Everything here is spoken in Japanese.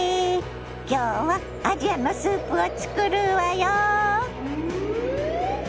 今日はアジアのスープを作るわよ。